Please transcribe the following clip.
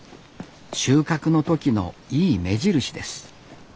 収穫の時のいい目印です